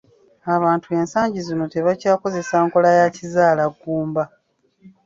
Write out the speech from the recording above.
Abantu ensangi zino tebakyakozesa nkola ya kizaalaggumba.